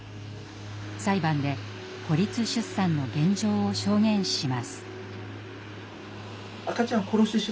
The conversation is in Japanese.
裁判で孤立出産の現状を証言します。